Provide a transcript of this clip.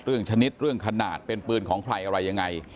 ชนิดเรื่องขนาดเป็นปืนของใครอะไรยังไง